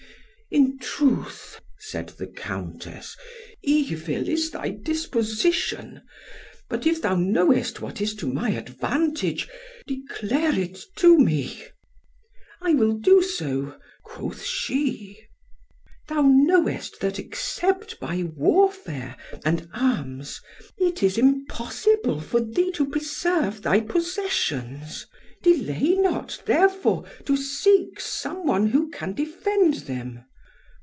"In truth," said the Countess, "evil is thy disposition; but if thou knowest what is to my advantage, declare it to me." "I will do so," quoth she. "Thou knowest that except by warfare and arms it is impossible for thee to preserve thy possessions; delay not, therefore, to seek some one who can defend them."